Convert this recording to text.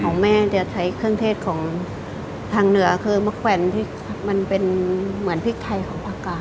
ของแม่จะใช้เครื่องเทศของทางเหนือคือมะแขวนที่มันเป็นเหมือนพริกไทยของปากกา